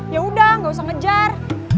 yaudah gak usah ngejar